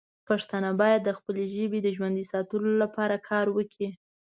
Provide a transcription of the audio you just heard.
پښتانه باید د خپلې ژبې د ژوندی ساتلو لپاره کار وکړي.